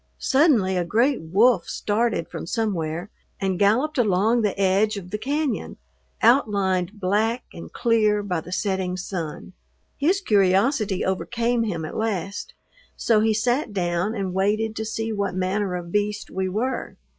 Suddenly a great wolf started from somewhere and galloped along the edge of the cañon, outlined black and clear by the setting sun. His curiosity overcame him at last, so he sat down and waited to see what manner of beast we were.